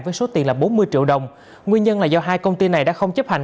với số tiền là bốn mươi triệu đồng nguyên nhân là do hai công ty này đã không chấp hành